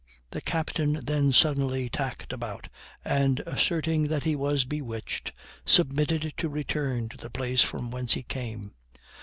The captain then suddenly tacked about, and, asserting that he was bewitched, submitted to return to the place from whence he came.